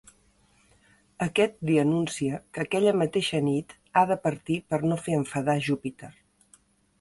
Aquest li anuncia que aquella mateixa nit ha de partir per no fer enfadar Júpiter.